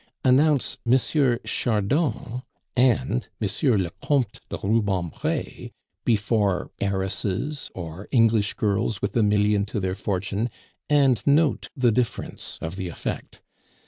Announce 'M. Chardon' and 'M. le Comte de Rubempre' before heiresses or English girls with a million to their fortune, and note the difference of the effect.